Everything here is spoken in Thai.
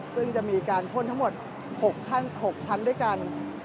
ซึ่งจะมีการพ่นทั้งหมด๖ขั้น